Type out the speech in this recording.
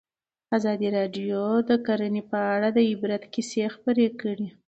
ازادي راډیو د کرهنه په اړه د عبرت کیسې خبر کړي.